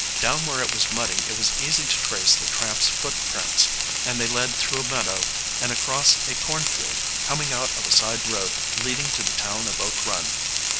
Down where it was muddy it was easy to trace the tramp's footprints, and they led through a meadow and across a cornfield, coming out at a side road leading to the town of Oak Run.